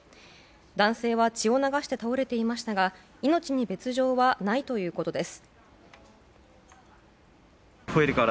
男性は血を流して倒れていましたが命に別条はないということです。